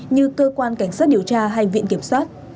như cơ quan cảnh sát điều tra hay viện kiểm soát